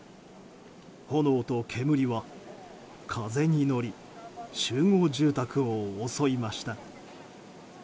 炎と煙は風に乗り集合住宅を襲いました。